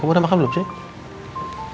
kamu udah makan belum sih